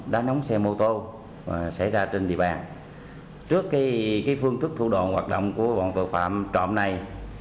đá nóng xe mô tô xảy ra trên địa bàn trước phương thức thủ đoạn hoạt động của bọn tội phạm trộm này